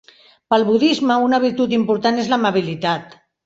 Pel budisme una virtut important és l'amabilitat.